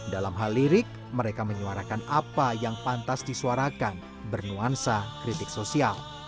dalam hal lirik mereka menyuarakan apa yang pantas disuarakan bernuansa kritik sosial